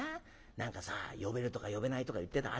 何かさ呼べるとか呼べないとか言ってた。